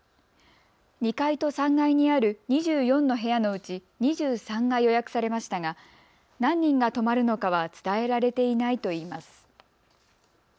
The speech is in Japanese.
２階と３階にある２４の部屋のうち２３が予約されましたが何人が泊まるのかは伝えられていないといいます。